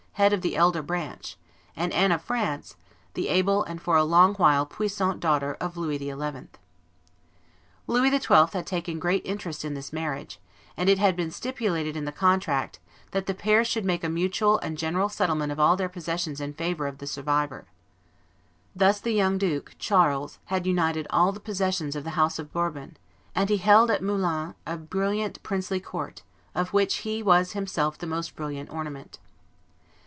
head of the elder branch, and Anne of France, the able and for a long while puissant daughter of Louis XI. Louis XII. had taken great interest in this marriage, and it had been stipulated in the contract "that the pair should make a mutual and general settlement of all their possessions in favor of the survivor." Thus the young duke, Charles, had united all the possessions of the house of Bourbon; and he held at Moulins a brilliant princely court, of which he was himself the most brilliant ornament.